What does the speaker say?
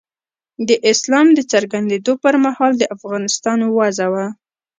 د اسلام د څرګندېدو پر مهال د افغانستان وضع وه.